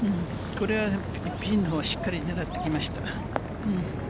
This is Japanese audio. これはピンのほうをしっかり狙っていきました。